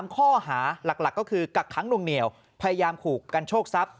ข้อหาหลักก็คือกักค้างนวงเหนียวพยายามขู่กันโชคทรัพย